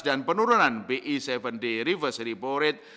dan penurunan bi tujuh d reversary power rate